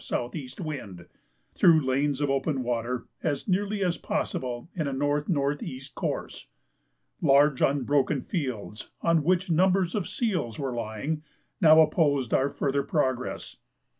E. wind, through lanes of open water, as nearly as possible in a N.N.E. course. Large unbroken fields, on which numbers of seals were lying, now opposed our further progress.